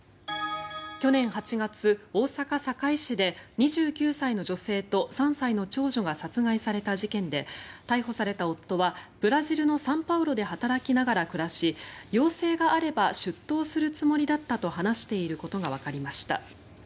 去年８月、大阪・堺市で２９歳の女性と３歳の長女が殺害された事件で逮捕された夫はブラジルのサンパウロで働きながら暮らし要請があれば出頭するつもりだったと話していることがわかりました。